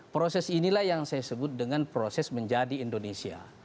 proses inilah yang saya sebut dengan proses menjadi indonesia